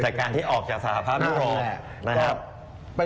จากการที่ออกจากสถาพันธ์อิโรป